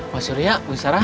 pak surya bu isyara